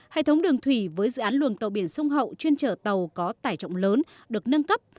hệ thống đường thủy với dự án luồng tàu biển sông hậu chuyên trở tàu có tải trọng lớn được nâng cấp